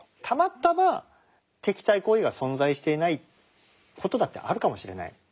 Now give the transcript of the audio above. たまたま敵対行為が存在していない事だってあるかもしれない。